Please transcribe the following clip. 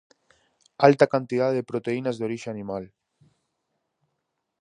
Alta cantidade de proteínas de orixe animal.